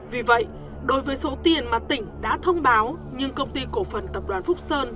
vì vậy đối với số tiền mà tỉnh đã thông báo nhưng công ty cổ phần tập đoàn phúc sơn